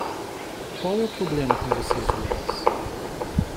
Qual é o problema com vocês dois?